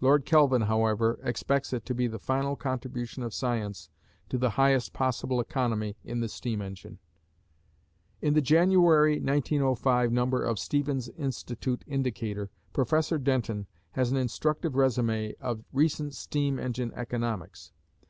Lord Kelvin however expects it to be the final contribution of science to the highest possible economy in the steam engine. In the January (1905) number of "Stevens Institute Indicator," Professor Denton has an instructive résumé of recent steam engine economics.